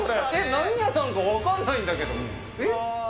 何屋さんか分かんないんだけど。